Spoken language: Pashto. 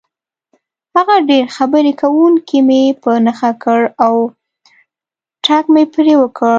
هغه ډېر خبرې کوونکی مې په نښه کړ او ټک مې پرې وکړ.